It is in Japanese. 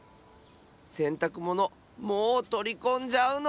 せんたくものもうとりこんじゃうの？